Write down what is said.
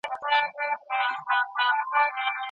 بنسټ ایښودل کیږي.